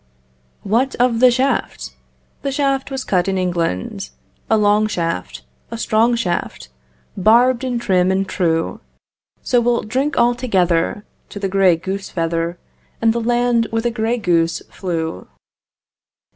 What of the shaft? The shaft was cut in England: A long shaft, a strong shaft, Barbed and trim and true; So we'll drink all together To the grey goose feather And the land where the grey goose flew.